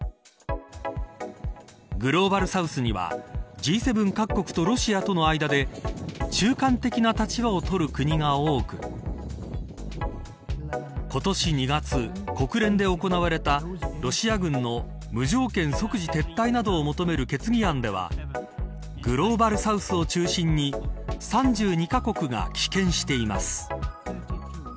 グローバル・サウスにはＧ７各国とロシアとの間で中間的な立場を取る国が多く今年２月、国連で行われたロシア軍の無条件即時撤退などを求める決議案ではグローバル・サウスを中心に３２カ国が棄権しています。